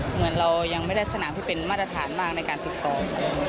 เหมือนเรายังไม่ได้สนามที่เป็นมาตรฐานมากในการฝึกซ้อม